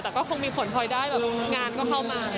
แต่ก็คงมีผลพลอยได้แบบงานก็เข้ามา